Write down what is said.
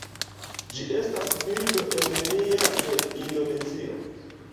Ĝi estas birdo endemia de Indonezio.